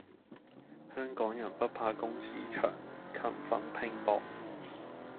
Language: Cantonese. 香港人不怕工時長，勤奮拼搏